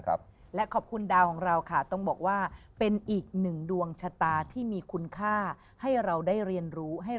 ขอบคุณครับ